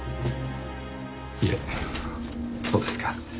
いえそうですか。